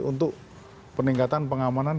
untuk peningkatan pengamanan